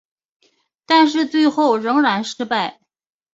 但是最后仍然失败。